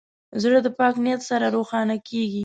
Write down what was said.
زړه د پاک نیت سره روښانه کېږي.